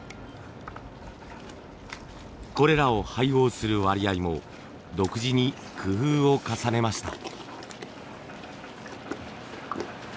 これらを配合する割合も独自に工夫を重ねました。